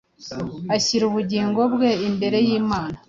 Ashyira ubugingo bwe imbere y’Imana,